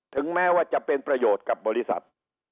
ถึงแม้ว่าจะเป็นประโยชน์กับบริษัท